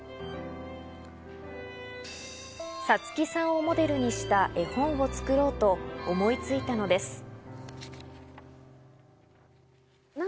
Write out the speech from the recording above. さつきさんをモデルにした絵本を作ろうと思いついたのです。